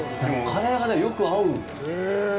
でも、カレーがね、よく合う！